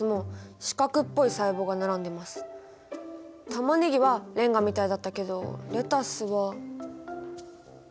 タマネギはレンガみたいだったけどレタスは。